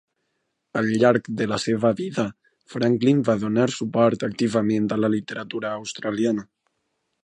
Al llarg de la seva vida, Franklin va donar suport activament a la literatura australiana.